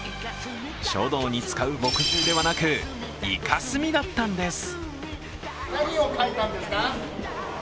書道に使う墨汁ではなくイカ墨だったんです。